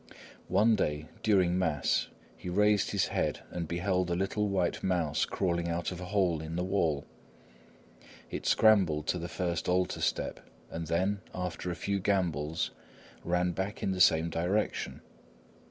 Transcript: One day, during mass, he raised his head and beheld a little white mouse crawling out of a hole in the wall. It scrambled to the first altar step and then, after a few gambols, ran back in the same direction.